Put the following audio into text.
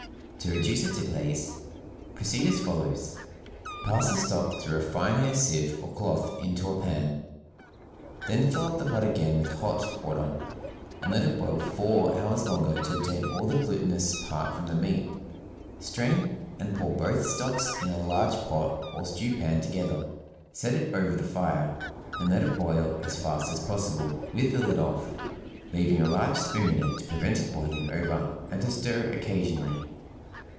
To reduce it to glaze proceed as follows: Pass the stock through a fine hair sieve or cloth into a pan; then fill up the pot again with hot water, and let it boil four hours longer to obtain all the glutinous part from the meat; strain, and pour both stocks in a large pot or stew pan together; set it over the fire, and let it boil as fast as possible with the lid off, leaving a large spoon in it to prevent it boiling over, and to stir occasionally.